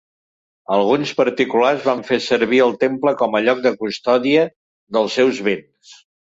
Alguns particulars van fer servir el temple com a lloc de custòdia dels seus béns.